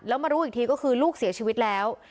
แล้วมารู้อีกทีก็คือลูกเสียชีวิตแล้ว